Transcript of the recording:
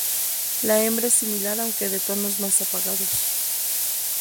La hembra es similar aunque de tonos más apagados.